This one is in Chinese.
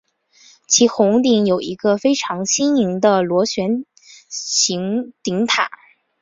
其穹顶有一个非常新颖的螺旋形顶塔。